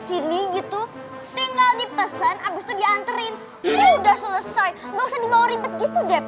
sini gitu tinggal dipesan habis itu dianterin udah selesai nggak usah dibawa ribet gitu deh